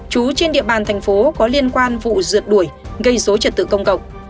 trú trên địa bàn thành phố có liên quan vụ rượt đuổi gây dối trật tự công cộng